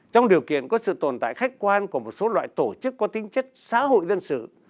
trong điều kiện có sự tồn tại khách quan của một số loại tổ chức có tính chất xã hội dân sự